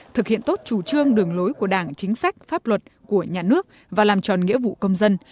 thực hiện tốt chủ trương đường lối của đảng chính sách pháp luật của nhà nước và làm tròn nghĩa vụ công dân